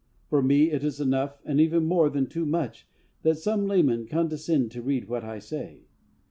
For me it is enough, and even more than too much, that some laymen condescend to read what I say.